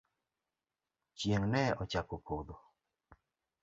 Chieng' ne ochako podho.